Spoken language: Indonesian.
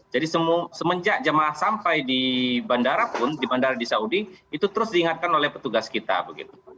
jadi semenjak jemaah sampai di bandara pun di bandara di saudi itu terus diingatkan oleh petugas kita begitu